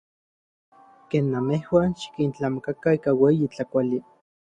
Ken namejuan, xikintlamakakan ika ueyi tlakauali.